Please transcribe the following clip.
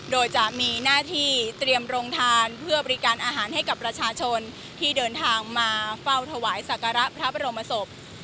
โดยจะมีหน้าที่เตรียมโรงทานเพื่อบริการอาหารให้กับประชาชนที่เดินทางมาเฝ้าถวายสักการะพระบรมศพ